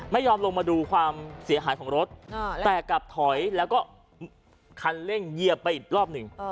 ไม่ยอมลงมาดูความเสียหายของรถแต่กลับถอยแล้วก็คันเร่งเหยียบไปอีกรอบหนึ่ง